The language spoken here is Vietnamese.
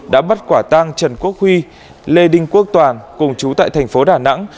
đã bắt quả tang trần quốc huy lê đinh quốc toàn cùng chú tại thành phố đà nẵng